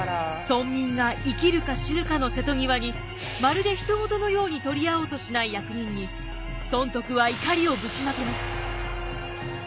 村民が生きるか死ぬかの瀬戸際にまるで他人事のように取り合おうとしない役人に尊徳は怒りをぶちまけます。